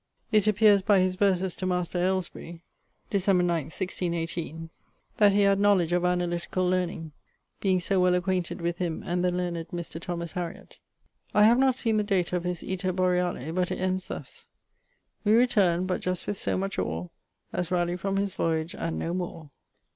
It appeares by his verses to Master Ailesbury[CV], Dec. 9, 1618, that he had knowledge of analyticall learning, being so well acquainted with him and the learned Mr. Thomas Harriot. I have not seen the date of his Iter Boreale; but it ends thus: We return'd, but just with so much ore, As Rauleigh from his voyage, and no more.